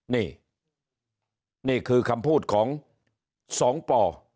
นี่นี่คือคำพูดของสองป่อ